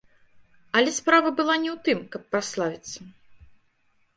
Але справа была не ў тым, каб праславіцца.